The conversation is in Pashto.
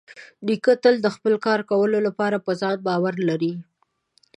نیکه تل د خپل کار کولو لپاره په ځان باور لري.